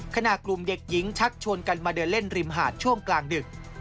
ขณะกลุ่มเด็กหญิงชักชวนกันมาเดินเล่นริมหาดช่วงกลางดึก